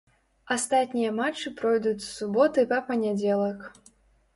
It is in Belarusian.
Астатнія матчы пройдуць з суботы па панядзелак.